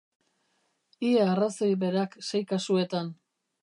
Ia arrazoi berak sei kasuetan.